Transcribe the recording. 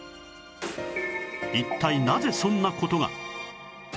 一体なぜそんな事が？